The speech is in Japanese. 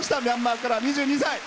ミャンマーから２２歳。